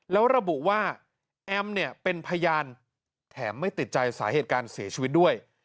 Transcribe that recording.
แล้วระบุว่าแอมเนี่ยเป็นพยานแถมไม่ติดใจสาเหตุการเสียชีวิตด้วย